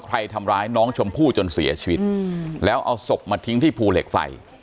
ทำร้ายน้องชมพู่จนเสียชีวิตแล้วเอาศพมาทิ้งที่ภูเหล็กไฟ